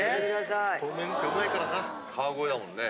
太麺ってうまいからな・川越だもんね。